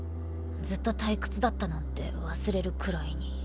ずっと退屈だったなんて忘れるくらいに。